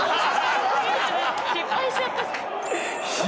失敗しちゃったし。